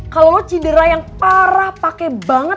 kalau lo cedera yang parah pakai banget